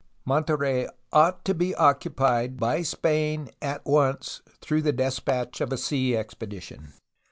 Monterey ought to be occupied by Spain at once, through the despatch of a sea expedition.